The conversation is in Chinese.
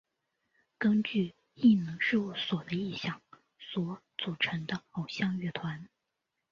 根据艺能事务所的意向所组成的偶像乐团。